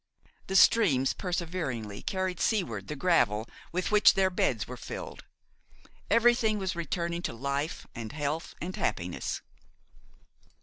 The streams perseveringly carried seaward the gravel with which their beds were filled. Everything was returning to life and health and happiness.